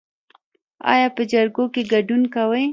ایا په جرګو کې ګډون کوئ؟